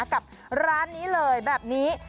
กับร้านนี้เลยแบบนี้